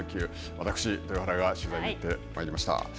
私、豊原が取材に行ってまいりました。